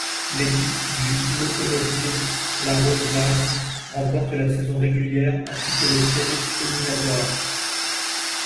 L'équipe du Lokomotiv Iaroslavl remporte la saison régulière ainsi que les séries éliminatoires.